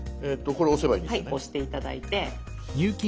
押して頂いて。